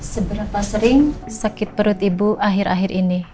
seberapa sering sakit perut ibu akhir akhir ini